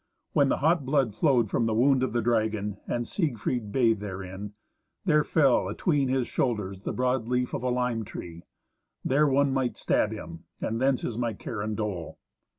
When the hot blood flowed from the wound of the dragon, and Siegfried bathed therein, there fell atween his shoulders the broad leaf of a lime tree. There one might stab him, and thence is my care and dole."